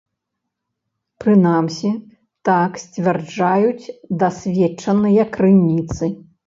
Прынамсі, так сцвярджаюць дасведчаныя крыніцы.